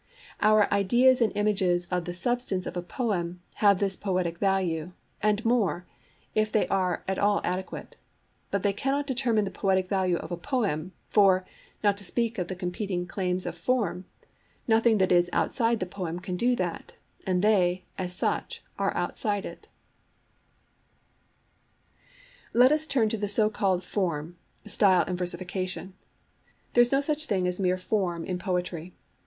Our ideas and images of the "substance" of a poem have this poetic value, and more, if they are at all adequate. But they cannot determine the poetic value of the poem, for (not to speak of the competing claims[Pg 23] of the "form") nothing that is outside the poem can do that, and they, as such, are outside it.' STYLE Let us turn to the so called form—style and versification. There is no such thing as mere form in poetry.